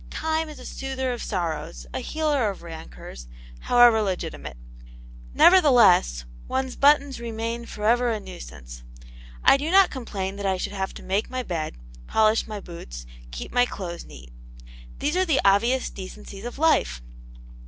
Time is a soother of sorrows, a healer of rancours, however legitimate. Nevertheless one's buttons remain for ever a nuisance. I do not complain that I should have to make my bed, polish my boots, keep my clothes neat. These are the obvious decencies of life.